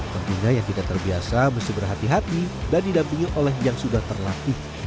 tentunya yang tidak terbiasa mesti berhati hati dan didampingi oleh yang sudah terlatih